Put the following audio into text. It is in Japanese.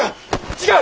違う！